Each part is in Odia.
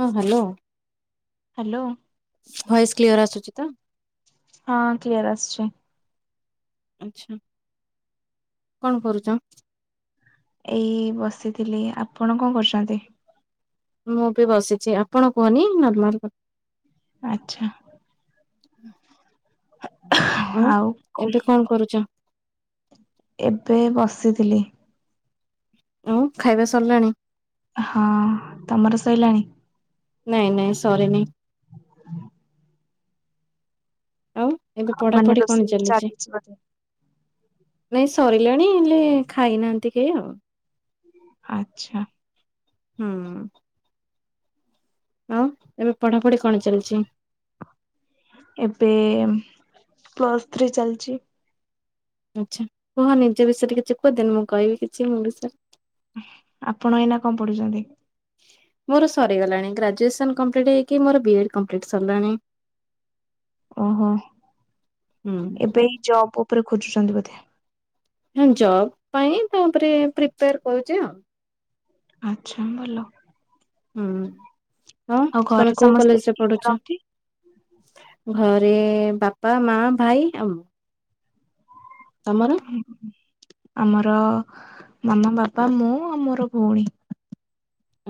ହଁ ହ୍ୟାଲୋ। ହ୍ୟାଲୋ। ଭଏସ୍ କ୍ଲିୟର ଆସୁଛି ତ? ହଁ କ୍ଲିୟର ଆସିଛି। ଆଚ୍ଛା କଣ କରୁଛ? ଏଇ ବସିଥିଲି ଆପଣ କଣ କରୁଛନ୍ତି। ମୁଁ ବି ବସିଛି ଆପଣ କୁହନି ନମିଲ ଆଚ୍ଛା? ଉ ଆଉ କ ଏମିତି କଣ କରୁଛ? ଏବେ ବସିଥିଲି। ଓଉ ଖାଇବା ସରିଲାଣି? ହଁ ତମର ସରିଲାଣି? ନାଇଁ ନାଇଁ ସରି ନି। ଆଉ ଏବେ ମାନେ ପଢାପଢି କଣ ରୋଷେଇ ଚାଲିଛି? ବୋଧେ ନାଇଁ ସରିଲାଣି ହେଲେ ଖାଇନାହାନ୍ତି କେହି ଆଉ। ଆଚ୍ଛା। ହୁଁ? ହଁ ଏବେ ପଢାପଢି କଣ ଚାଲିଛି? ଏବେ ପ୍ଲସଥ୍ରୀ ଚାଲିଛି। ଆଚ୍ଛା କୁହ ନିଜ ବିଷୟରେ କିଛି କୁହଦେନି ମୁଁ କହିବି କିଛି ମୋ ବିଷୟରେ। ଆପଣ ଏଇନା କଣ ପଢୁଛନ୍ତି? ମୋର ସରିଗଲାଣି ଗ୍ରାଜୁଏସନ କମ୍ପ୍ଲିଟ ହେଇକି ମୋର ବି ଏଡ୍ କମ୍ପ୍ଲିଟ ସରିଲାଣି। ଓହୋ ଏବେ ଜବ ଉପରେ ଖୋଜୁଛନ୍ତି ବୋଧେ। ହଁ ଜବ ପାଇଁ ତା ଉପରେ ପ୍ରିପେୟାର କରୁଛି ଆଉ। ଆଚ୍ଛା ଭଲ। ହୁଁ ହଁ ଆଉ ଘରେ ତମେ କୋଉ ସମସ୍ତେ କଲେଜରେ କିଏ କିଏ ପଢୁଛ। ରହନ୍ତି? ଘରେ ବାପା ମା ଭାଇ ଆ ମୁଁ। ତମର। ଆମର ମାମା ବାପା ମୁଁ ଆଉ ମୋର ଭଉଣୀ।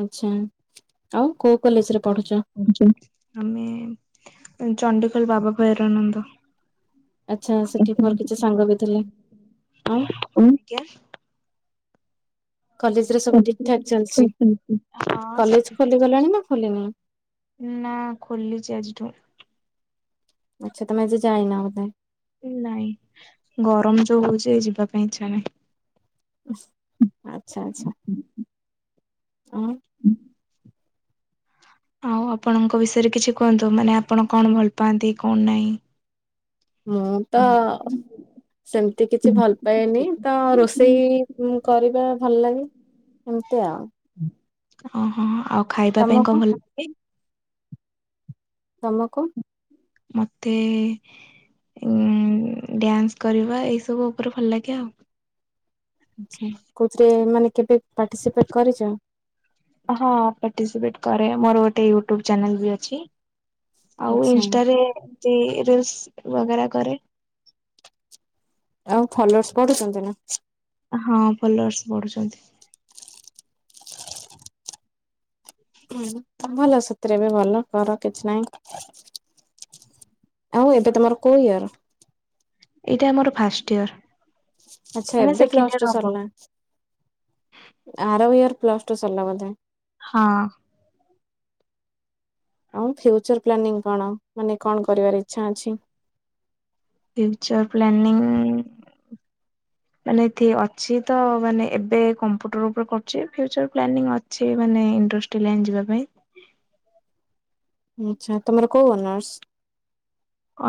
ଆଚ୍ଛା ଆଉ କୋଉ କଲେଜରେ ପଢୁଛ? ଆମେ ଚଣ୍ଡଖୋଲ ବାବା ଭୈରାନନ୍ଦ। ଆଚ୍ଛା ସେଠି ମୋର କିଛି ସାଙ୍ଗ ବି ଥିଲେ। ଆଉ [inaudible] କଲେଜରେ ସବୁ ଠିକ୍ ଠାକ୍ ଚାଲିଛି? କଲେଜ ଖୋଲିଗଲାଣି ନା ଖୋଲିନି? [unintelligible] ନା ଖୋଲିଚି ଆଜିଠୁ। ଆଚ୍ଛା ତମେ ଆଜି ଯାଇନ ବୋଧେ? ନାଇଁ ଗରମ ଯୋଉ ହଉଛି ଯିବା ପାଇଁ ଇଚ୍ଛା ନାହିଁ। ଆଚ୍ଛା ଆଚ୍ଛା ଆଉ। ଆଉ ଆପଣଙ୍କ ବିଷୟରେ କିଛି କୁହନ୍ତୁ ମାନେ ଆପଣ କଣ ଭଲ ପାଆନ୍ତି କଣ ନାହିଁ। ମୁଁ ତ ସେମିତି କିଛି ଭଲ ପାଏନି ତ ରୋଷେଇ କରିବା ଭଲ ଲାଗେ। ଏମିତି ଆଉ। ଓହୋ ଆଉ ଖାଇବା ପାଇଁ ତମକୁ କଣ ଭଲ ଲାଗେ? ତମକୁ? ମତେ ଉ ଡ୍ୟାନ୍ସ କରିବା ଏଇସବୁ ଉପରେ ଭଲ ଲାଗେ ଆଉ। ଆଛା କଉଥିରେ ମାନେ କେବେ ପାର୍ଟିସିପେଟ କରିଛ? ହଁ ପାର୍ଟିସିପେଟ କରେ ମୋର ଗୋଟେ ୟୁଟ୍ୟୁବ ଚ୍ୟାନେଲ ବି ଅଛି। ଆଉ ଆଚ୍ଛା ଇନଷ୍ଟା ରେ ରିଲସ ବଗେରା କରେ। ଆଉ ଫଲୋର୍ସ ବଢୁଛନ୍ତି ନା। ହଁ ଫଲୋର୍ସ ବଢୁଛନ୍ତି। ଭଲ ସେଥିରେ ବି ଭଲ କର କିଛି ନାହିଁ। ଆଉ ଏବେ ତମର କଉ ଇୟର? ଏଇଟା ଆମର ଫାଷ୍ଟ ଇୟର। ଆଚ୍ଛା ମାନେ ଏବେ ସେକେଣ୍ଡ ଇୟର ପ୍ଲଷ୍ଟୁ ହବ ସରିଲା। ଆର ୟଅର୍ ପ୍ଲସ୍ ଟୁ ସଲା ବଧେ। ହଁ। ଆ ଫ୍ୟୁଚର ପ୍ଲାନିଂ କଣ ମାନେ କଣ କରିବାର ଇଚ୍ଛା ଅଛି? Future planning. ମାନେ ଏଠି ଅଛି ତ ମାନେ ଏବେ କମ୍ପୁଟର ଉପରେ କରୁଛି ଫ୍ୟଚର ପ୍ଲାନିଂ ଅ ଅଛି ମାନେ ଇଣ୍ଡଷ୍ଟ୍ରି ଲାଇନ୍ ଯିବା ପାଇଁ। ଆଚ୍ଛା ତମର କୋଉ ଅନର୍ସ?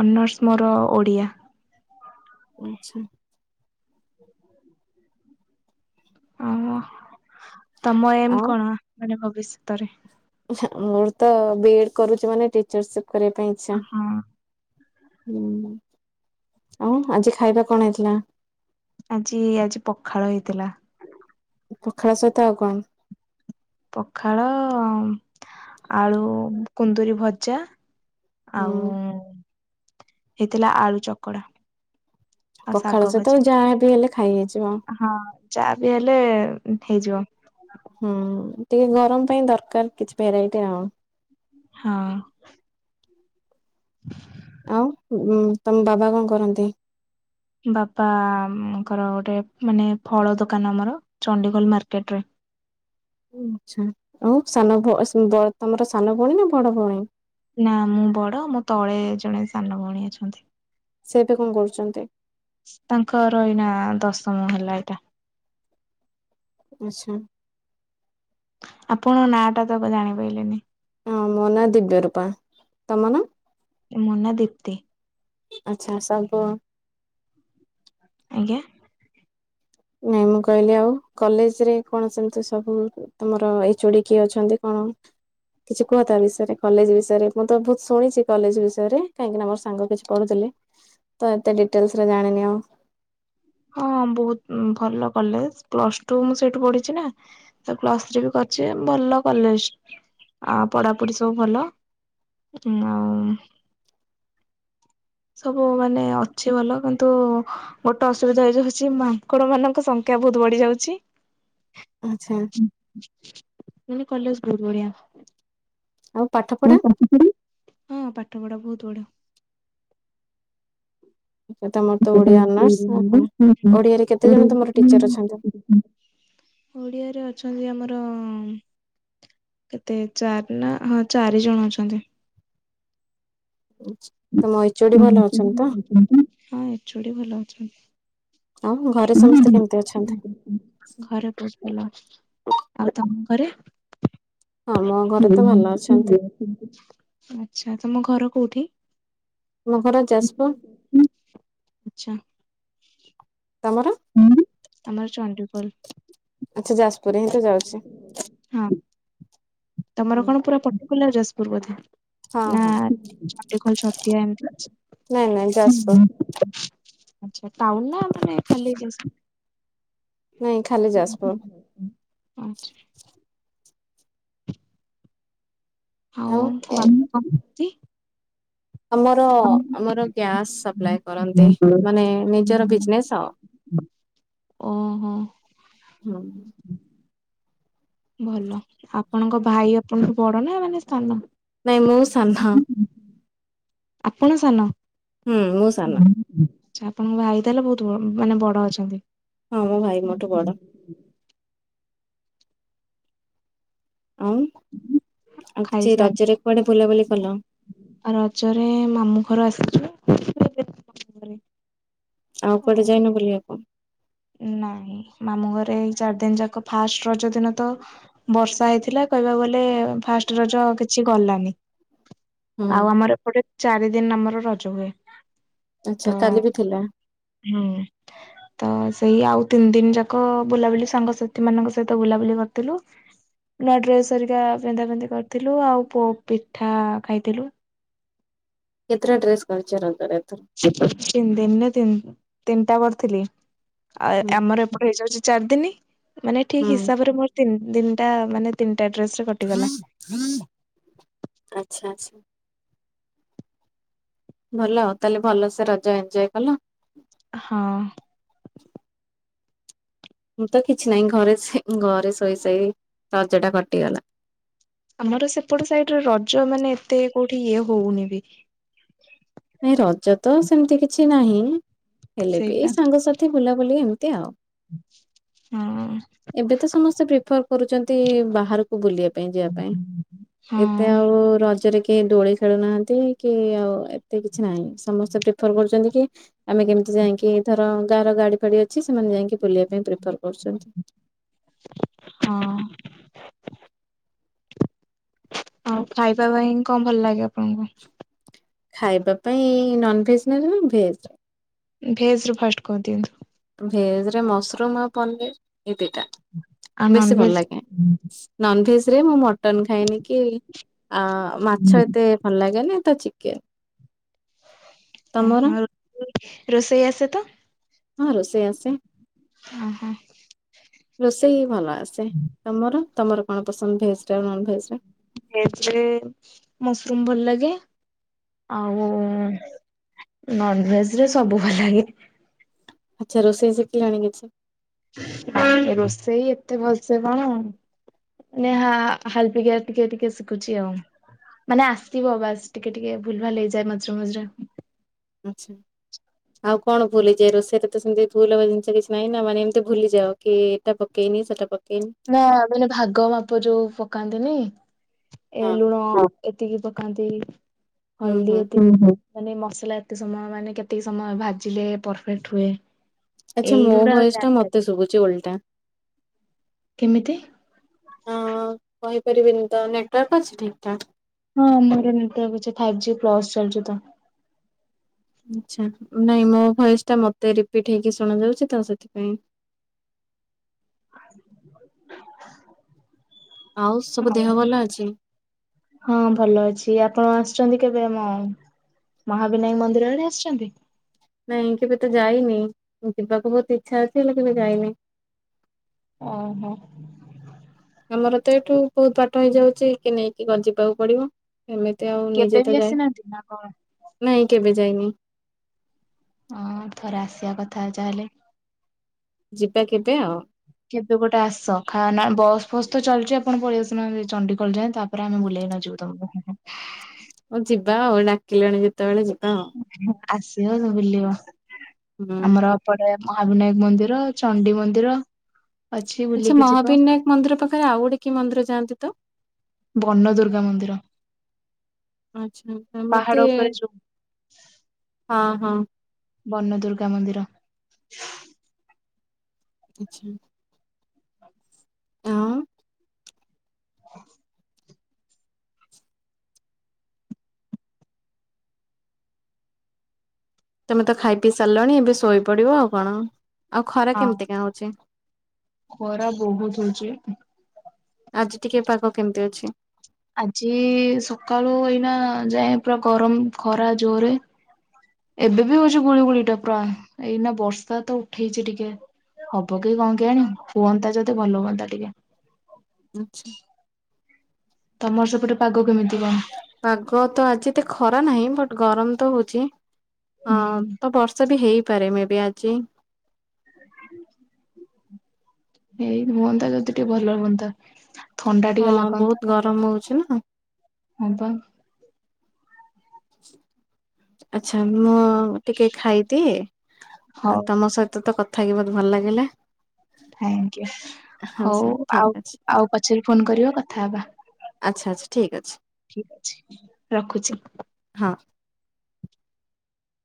ଅନର୍ସ ମୋର ଓଡ଼ିଆ। ଆଚ୍ଛା। ଓ ତମ ଏମ୍ ଆଉ କଣ ମାନେ ଭବିଷ୍ୟତରେ। ମୋର ତ ବି ଏଡ କରୁଛି ମାନେ ଟିଚର ସିପ କରିବା ପାଇଁ ଇଚ୍ଛା। ହଁ ହୁଁ ଆଉ ଆଜି ଖାଇବା କଣ ହେଇଥିଲା? ଆଜି ଆଜି ପଖାଳ ହେଇଥିଲା। ପଖାଳ ସହିତ ଆଉ କଣ? ପଖାଳ ଆଳୁ କୁନ୍ଦୁରି ଭଜା। ହୁଁ ଆଉ ହେଇଥିଲା ଆଳୁ ଚକଡା। ଆଉ ପଖାଳ ଶାଗ ଭଜା ସହିତ ଯାହାବି ହେଲେ ଖାଇ ହେଇଯିବ। ହଁ ଯାହା ବି ହେଲେ ହେଇଯିବ। ହୁଁ ଟିକେ ଗରମ ପାଇଁ ଦରକାର କିଛି ଭେରାଇଟି ଆଉ। ହଁ। ହ ଆଉ ତମ ବାବା କଣ କରନ୍ତି? ବାପାଙ୍କର ଗୋଟେ ମାନେ ଫଳ ଦୋକାନ ଆମର ଚଣ୍ଡୀଖୋଲ ମାର୍କେଟରେ। ଆଚ୍ଛା ଆଉ ସାନ ଭ-ସ-ବ-ତମର ସାନ ଭଉଣୀ ନା ବଡ ଭଉଣୀ? ନା ମୁଁ ବଡ ମୋ ତଳେ ଜଣେ ସାନ ଭଉଣୀ ଅଛନ୍ତି‌‌। ସେ ଏବେ କଣ କରୁଚନ୍ତି? ତାଙ୍କର ଏଇନା ଦଶମ ହେଲା ଏଇଟା। ଆଚ୍ଛା। ଆପଣଙ୍କ ନାଁ ଟା ତ ଏବେ ଜାଣିପାରିଲିନି‌। ହଁ ମୋ ନାଁ ଦିବ୍ୟରୂପା। ତମ ନାଁ? ମୋ ନାଁ ଦୀପ୍ତି। ଆଚ୍ଛା ସବୁ ଆଜ୍ଞା। ନାଇଁ ମୁଁ କହିଲି ଆଉ କଲେଜ୍ ରେ କଣ ସେମିତି ସବୁ ହୁଏ? ତମର ଏଚୋଡି କିଏ ଅଛନ୍ତି କଣ? କିଛି କୁହ ତା ବିଷୟରେ କଲେଜ୍ ବିଷୟରେ ମୁଁ ତ ବହୁତ୍ ଶୁଣିଚି କଲେଜ୍ ବିଷୟରେ କାହିଁକି ନା ମୋ ସାଙ୍ଗ କିଛି ପଢୁଥିଲେ ତ ଏତେ ଡିଟେଲ୍ସ୍ ରେ ଜାଣିନି ଆଉ। ହଁ ବହୁତ୍ ଭଲ କଲେଜ୍ ପ୍ଲସ୍ ଟୁ ମୁଁ ସେଇଠୁ ପଢିଚି ନା। ପ୍ଲସ୍ ଥ୍ରୀ ବି କରିଚି ଯେ ଭଲ କଲେଜ୍ ଆ- ପଢାପଢି ସବୁ ଭଲ। ହୁଁ- ଆଉ ସବୁ ମାନେ ଅଛି ଭଲ କିନ୍ତୁ ଗୋଟେ ଅସୁବିଧା ହେଇଯାଉଚି ମାଙ୍କଡ ମାନଙ୍କ ସଂଖ୍ୟା ବହୁତ୍ ବଢି ଯାଉଚି। ଆଚ୍ଛା। ନହେଲେ କଲେଜ୍ ବହୁତ୍ ବଢିଆ। ଆଉ ପାଠ ଆଉ ପଢା ପାଠ ପଢି? ତମର ତ ଓଡିଆ ଅନର୍ସ ଆଉ କଣ? ଓଡିଆରେ କେତେ ଜଣ ତମର ଟିଚର ଅଛନ୍ତି? [inaudible] ଓଡିଆରେ ଅଛନ୍ତି ଆମର କେତେ ଚାରି ନା ହଁ ଚାରି ଜଣ ଅଛନ୍ତି। [unintelligible] ଏଚୋଡି ଭଲ ଅଛନ୍ତି ତ? [inaudible] ଆଉ ଘରେ ସମସ୍ତେ କେମିତି ଅଛନ୍ତି? [inaudible] ଘରେ ବହୁତ୍ ଭଲ -ଆଉ ତମ ଘରେ? ହଁ ମୋ ଘରେ ତ ଭଲ ଅଛନ୍ତି। ଆଚ୍ଛା ତମ ଘର କଉଠି? ଆମ ଘର ଯାଜପୁର। ଆଚ୍ଛା। ତମର? ହୁଁ -ଆମର ଚଣ୍ଡିଖୋଲ। ଆଚ୍ଛା ଯାଜପୁରରେ ହିଁ ତ ଯାଉଚି। ହଁ ତମର କଣ ପୁରା ପର୍ଟିକୁୁଲାର ଯାଜପୁର ବୋଧେ? ନା ହଁ ଚଣ୍ଡିଖୋଲ୍ ଛତିଆ ଏମିତି ଅଛି। ନାଇଁ -ନାଇଁ ଯାଜପୁର୍। ଆଚ୍ଛା ଟାଉନ୍ ନା ମାନେ ଖାଲି ନାଇଁ ଖାଲି ଯାଜପୁର୍। ଆଚ୍ଛା। ଆଉ [unintelligible] ଆମର- ଆମର ଗ୍ୟାସ୍ ସପ୍ଲାଏ କରନ୍ତି ମାନେ ନିଜର ବିଜନେସ୍ ଆଉ। ଓହୋ ହୁଁ। ଭଲ ଆପଣଙ୍କ ଭାଇ ଆପଣଙ୍କ ଠୁ ବଡ ନା ମାନେ ସାନ? ନାଇଁ ମୁଁ ସାନ। ଆପଣ ସାନ? ହୁଁ ମୁଁ ସାନ। ଆଚ୍ଛା ଆପଣଙ୍କ ଭାଇ ତାହେଲେ ବହୁତ ବ ମାନେ ବଡ ଅଛନ୍ତି। ହଁ ମୋ ଭାଇ ମୋଠୁ ବଡ଼। ଆଉ ଆଉ କିଛି ଖାଇସାରି ରଜରେ କୁଆଡେ ବୁଲାବୁଲି କଲ? ରଜରେ ମାମୁଁ ଘର ଆସିଥିଲେ। ଆଉ କୁଆଡେ ଯାଇନ ବୁଲିବାକୁ? ନାଇଁ ମାମୁଁ ଘରେ ଏଇ ଚାରି ଦିନି ଯାକ ଫାଷ୍ଟ ରଜ ଦିନ ତ ବର୍ଷା ହେଇଥିଲା କହିବାକୁ ଗଲେ ଫାଷ୍ଟ ରଜ କିଛି ଗଲାନି। ହୁଁ ଆଉ ଆମର ଏପଟେ ଚାରି ଦିନ ଆମର ରଜ ହୁଏ। ଆଚ୍ଛା ତ କାଲି ବି ଥିଲା। ହୁଁ। ତ ସେଇ ଆଉ ତିନି ଦିନି ଯାକ ବୁଲାବୁଲି ସାଙ୍ଗସାଥି ମାନଙ୍କ ସହିତ ବୁଲାବୁଲି କରିଥିଲୁ। ନୂଆ ଡ୍ରେସ୍ ଘରିକା ପିନ୍ଧା ପିନ୍ଧି କରିଥିଲୁ ଆଉ ପୋ ପିଠା ଖାଇଥିଲୁ। କେତେଟା ଡ୍ରେସ୍ କରିଚ ରଜରେ ଏଥର? ତିନି ଦିନିରେ ତିନି୍ ତିନିଟା କରିଥିଲି। ଆଉ ହୁଁ ଆମର ଏପଟେ ହେଇଯାଉଛି ଚାରି ଦିନି ମାନେ ଠିକ୍ ହୁଁ ହିସାବରେ ମୋର ତିନ ଦିନଟା ମାନେ ତିନିଟା ଡ୍ରେସ୍ ରେ କଟିଗଲା। ଆଚ୍ଛା ଆଚ୍ଛା। ଭଲ ତାହେଲେ ଭଲସେ ରଜ ଏଞ୍ଜୟ କଲ? ହଁ। ମୁଁ ତ କିଛି ନାହିଁ ଘରେ ଘରେ ଶୋଇ ଶୋଇ ରଜ ଟା କଟିଗଲା। ଆମର ସେପଟେ ସାଇଟରେ ରଜ ମାନେ ଏତେ କୋଉଠି ଇଏ ହଉନି ବି। ନାଇଁ ରଜ ତ ସେମିତି କିଛି ନାହିଁ ହେଲେ ବି ସେଇପା ଏଇ ସାଙ୍ଗସା ଥି ବୁଲାବୁଲି ଏମିତି ଆଉ। ହଁ। ଏବେ ତ ସମସ୍ତେ ପ୍ରିଫର କରୁଛନ୍ତି ବାହାରକୁ ବୁଲିବା ପାଇଁ ଯିବା ପାଇଁ, ହଁ ଏତେ ଆଉ ରଜରେ କେହି ଦୋଳି ଖେଳୁନାହାନ୍ତି କି ଆଉ ଏତେ କିଛି ନାହିଁ ସମସ୍ତେ ପ୍ରିଫର କରୁଛନ୍ତି କି? ଆମେ କେମିତି ଯାଇକି ଧର ଗାଁର ଗାଡି ଫାଡି ଅଛି ସେମାନେ ଯାଇକି ବୁଲିବା ପାଇଁ ପ୍ରିଫର କରୁଛନ୍ତି। ହଁ। ଆଉ ଖାଇବା ପାଇଁ କଣ ଭଲ ଲାଗେ ଆପଣଙ୍କୁ? ଖାଇବା ପାଇଁ ନନ ଭେଜ ନଉଛ ନା ଭେଜ? ଭେଜ ଫାଷ୍ଟ କରିଦିଅନ୍ତୁ। ଭେଜ ରେ ମସରୁମ ଆଉ ପନିର ଏଇ ଦୁଇଟା ଆଉ ବେଶୀ ଭଲ ନନଭେଜ ଲାଗେ। ନନଭେଜ ରେ ମୁଁ ମଟନ ଖାଇଏ ନି କି ଆ ମାଛ ଏତେ ଭଲ ଲାଗେନି ତ ଚିକେନ ତମର? ଓହୋ ରୋଷେଇ ଆସେ ତ? ହଁ ରୋଷେଇ ଆସେ। ଓହୋ ରୋଷେଇ ଭଲ ଆସେ ତମର ତମର କଣ ପସନ୍ଦ ଭେଜରେ ନନ ଭେଜରେ? ଭେଜ ରେ ମସରୁମ ଭଲ ଲାଗେ। ଆଉ ନନଭେଜେ ରେ ସବୁ ଭଲ ଲାଗେ। ଆଚ୍ଛା ରୋଷେଇ ଶିଖିଲଣି କିଛି? ରୋଷେଇ ଏତେ ଭଲସେ କଣ? ନା ହାଲପିକା ଟିକେ ଟିକେ ଶିଖୁଛି ଆଉ। ମାନେ ଆସିବ ବାସ ଟିକେ ଟିକେ ଭୁଲ ଭାଲ ହେଇଯାଏ ମଝିରେ ମଝିରେ ଆଚ୍ଛା। ଆଉ କଣ ଭୁଲହେଇଯାଏ ରୋଷେଇରେ ସେମିତି ଭୁଲ ହବା ଜିନିଷ କିଛି ନାହିଁ ନା ମାନେ ଏମିତି ଭୁଲିଯାଅ? କି ଏଟା ପକେଇନି ସେଟା ପକେଇନି ନା ମାନେ ଭାଗ ମାପ ଯୋଉ ପକାନ୍ତିନି। ଏ ହଁ ଲୁଣ ଏତିକି ପକାନ୍ତି ହୁଁ ହଳଦୀ ହୁଁ ଏତିକି ମାନେ ମସଲା ଏତେ ସମୟ ମାନେ କେତିକି ସମୟ ଭାଜିଲେ ପରଫେକ୍ଟ ହୁଏ। ଆଚ୍ଛା ମୋ ଏଇଗୁଡା ଭଏସେଟା ମତେ ଜାଣିପାରିବି। ଶୁଭୁଚି ଓଲଟା। କେମିତି? ହଁ କହିପାରିବିନିତ ନେଟୱାର୍କ ଅଛି ଠିକ୍ ଠାକ୍? ହଁ ମୋର ନେଟୱାର୍କ ଅଛି ଫାଇଭ୍ ଜି ପ୍ଲସ୍ ଚାଲିଚିତ। ଆଛା ନାଇଁ ମୋ ଭଏସଟା ମତେ ରିପିଟି ହେଇକି ଶୁଣା ଯାଉଚିତ ସେଥିପାଇଁ [inaudible] ଆଉ ସବୁ ଦେହ ଆଉ ଭଲ ଅଛି? ହଁ ଭଲ ଅଛି, ଆପଣ ଆସିଛନ୍ତି କେବେ ଆମ ମହାବିନାୟକ ମନ୍ଦିର ଆଡ଼େ ଆସିଛନ୍ତି? ନାଇଁ କେବେତ ଯାଇନି ଯିବାକୁ ବହୁତ୍ ଇଚ୍ଛା ଅଛି ହେଲେ କେବେ ଯାଇନି। ଓହୋ। ଆମରତ ଏଠୁ ବହୁତ୍ ବାଟ ହେଇଯାଉଛି କିଏ ନେଇକି ଯିବାକୁ ପଡ଼ିବ। ଏମିତି ଆଉ କେବେ ନିଜେତ ବି ଯାଏ, ଆସିନାହାନ୍ତି ନା କଣ? ନାଇଁ କେବେ ଯାଇନି? ହଁ ଥରେ ଆସିବା କଥା ଯାହେଲେ। ଯିବା କେବେ ଆଉ। କେବେ ଗୋଟେ ଆସ ଖା ନା ବସ୍ ଫସ୍ ତ ଚାଲିଚି ଆପଣ ପଳେଇଆସୁନାହାନ୍ତି ଚଣ୍ଡିଖୋଲ ଯାଏ ତା ପରେ ଆମେ ବୁଲେଇ ନେଇଯିବୁ ତମକୁ। ଅଁ ଯିବା ଆଉ ଡାକିଲଣି ଯେତେବେଳେ ଯିବା ଆଉ। ଆସିବତ ବୁଲିବ ହୁଁ। ଆମର ଏପଟେ ମହାବିନାୟକ ମନ୍ଦିର, ଚଣ୍ଡି ମନ୍ଦିର ଅଛି ଆଚ୍ଛା ବୁଲିକି ଯିବ ମହାବିନାୟକ ମନ୍ଦିର ପାଖରେ ଆଉ ଗୋଟେ କିମନ୍ଦିର ଯାଆନ୍ତିତ? ବନ ଦୁର୍ଗା ମନ୍ଦିର ଆଚ୍ଛା ଆଁ ପାହାଡ ମତେ ଉପରେ ଯୋଉ ହଁ, ହଁ। ବନ ଦୁର୍ଗା ମନ୍ଦିର। ଆଚ୍ଛା। ଆଉ [inaudible] ତମେତ ଖାଇ ପିଇ ସାରିଲଣି ଏବେ ଶୋଇପଡ଼ିବ ଆଉ କଣ ଆଉ ଖରା ହଁ କେମିତିକା ହଉଚି? ଖରା ବହୁତ୍ ହଉଚି। ଆଜି ଟିକେ ପାଗ କେମିତି ଅଛି? ଆଜି ସକାଳୁ ଏଇନା ଯାଏ ପୁରା ଗରମ ଖରା ଜୋରେ ଏବେବି ହଉଚି ଗୁଳି ଗୁଳିଟା ପୁରା ଏଇନା ବର୍ଷାତ ଉଠେଇଛି ଟିକେ। ହବକି କଣ କେଆଣି ହୁଅନ୍ତା ଯୋଦି ଭଲ ହୁଅନ୍ତା ଟିକେ। ଆଚ୍ଛା। ତମର ସେପଟେ ପାଗ କେମିତି କଣ? ପାଗତ ଆଜି ଏତେ ଖରା ନାହିଁ ବଟ୍ ଗରମତ ହଉଚି ଅଁ ହୁଁ ତ ବ ସେବି ହେଇପାରେ ମେବି ଆଜି। ଏଇ ହୁଅନ୍ତା ଯଦି ଟିକେ ଭଲ ହୁଅନ୍ତା। ଥଣ୍ଡା ଟିକେ ହଁ ବହୁତ ଲାଗନ୍ତା ଭଲ ଗରମ ହଉଛି ହୁଅନ୍ତା ନା। ହବା। ଆଚ୍ଛା ମୁଁ ଟିକେ ଖାଇଦି ହଉ ତମ ସହିତତ କଥା ହେଇକି ମତେ ଭଲ ଲାଗିଲା। ଥାକିୟୁ ଆଛା ହଉ ଠିକ ଆଉ ଅଛି ଆଉ ପଛରେ ଫୋନ୍ କରିବ କଥା ହେବା? ଆଚ୍ଛା ଆଚ୍ଛା ଠିକ୍ ଅଛି। ଠିକ୍ ଅଛି ରଖୁଛି। ହଁ।